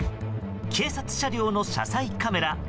警察車両の車載カメラ。